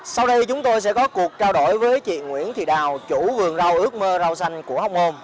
sau đây chúng tôi sẽ có cuộc trao đổi với chị nguyễn thị đào chủ vườn rau ước mơ rau xanh của hóc môn